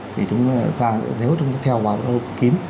thì chúng ta nếu chúng ta theo vào hội nhóm kín